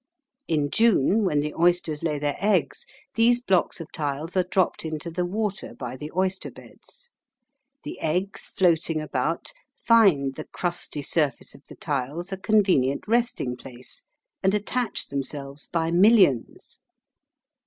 In June, when the oysters lay their eggs, these blocks of tiles are dropped into the water by the oyster beds. The eggs floating about, find the crusty surface of the tiles a convenient resting place, and attach themselves by millions.